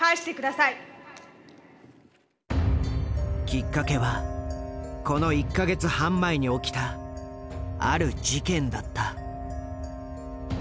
きっかけはこの１か月半前に起きたある事件だった。